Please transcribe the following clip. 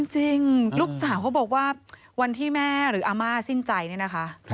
จริงลูกสาวเขาบอกว่าวันที่แม่หรืออาม่าสิ้นใจเนี่ยนะคะ